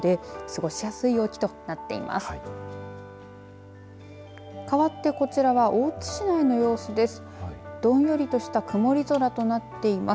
かわってこちらは大津市内の様子です。